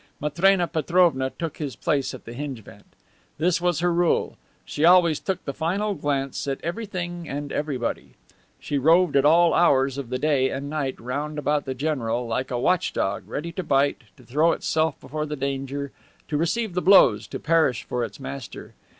Matrena Petrovna took his place at the hinge vent. This was her rule; she always took the final glance at everything and everybody. She roved at all hours of the day and night round about the general, like a watch dog, ready to bite, to throw itself before the danger, to receive the blows, to perish for its master.